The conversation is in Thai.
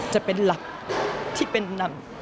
จะเป็นหลักที่เป็นนำ